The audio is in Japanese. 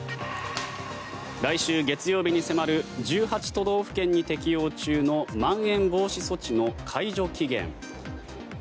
来週月曜日に迫る１８都道府県に適用中のまん延防止措置の解除期限。